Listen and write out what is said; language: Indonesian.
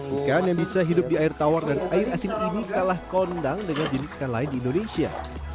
ikan yang bisa hidup di air tawar dan air asin ini kalah kondang dengan jenis ikan lain di indonesia